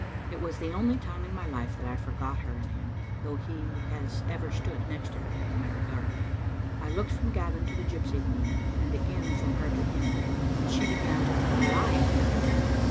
It was the only time in my life that I for got her in him, though he has ever stood next to her in my regard. I looked from Gavin to the gypsy woman, and again from her to him, and she began to tell a lie in his interest.